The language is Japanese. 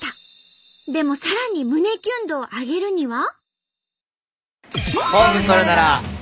でもさらに胸キュン度を上げるには？